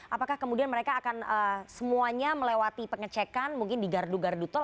apakah kemudian mereka akan semuanya melewati pengecekan mungkin di gardu gardu tol